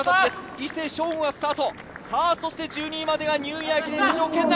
伊勢翔吾がスタート、そして１２位までがニューイヤー駅伝出場圏内。